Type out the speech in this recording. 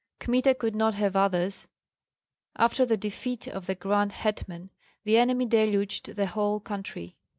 Kmita could not have others. After the defeat of the grand hetman, the enemy deluged the whole country.